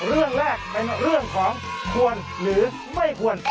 เรื่องแรกเป็นเรื่องของควรหรือไม่ควร